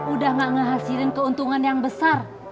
udah gak ngehasilin keuntungan yang besar